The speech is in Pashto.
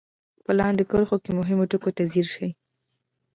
په لاندې کرښو کې مهمو ټکو ته ځير شئ.